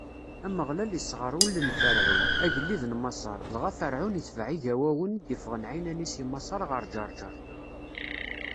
Ameɣlal isɣer ul n Ferɛun, agellid n Maṣer, dɣa Ferɛun itbeɛ Igawawen i d-iffɣen ɛinani si Maṣer ɣer Ǧeṛǧeṛ.